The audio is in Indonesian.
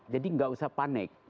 jadi tidak usah panik